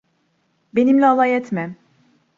Benimle alay etme.